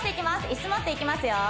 椅子持っていきますよ